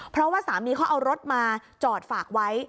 เพราะว่าสามีเขาเอารถมาจอดฝากไว้